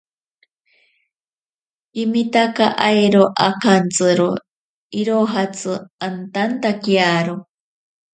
Kimitaka airo akantsiro irojatsi antantakiaro.